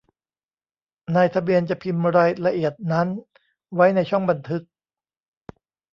นายทะเบียนจะพิมพ์รายละเอียดนั้นไว้ในช่องบันทึก